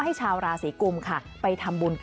โอเคโอเคโอเคโอเคโอเคโอเคโอเคโอเค